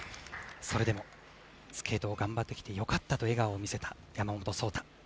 それでもスケートを頑張ってきて良かったと笑顔を見せた、山本草太。